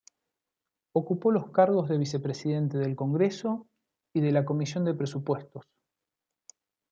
Ocupó los cargos de vicepresidente del Congreso y de la Comisión de Presupuestos.